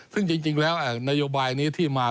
ซึ่งจริงแล้วนโยบายนี้ที่มา